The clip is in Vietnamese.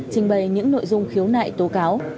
trình bày những nội dung khiếu nại tố cáo